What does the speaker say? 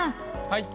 はい。